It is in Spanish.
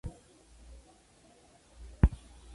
La región de las Ardenas es más accidentada que las otras dos.